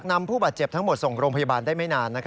นำผู้บาดเจ็บทั้งหมดส่งโรงพยาบาลได้ไม่นาน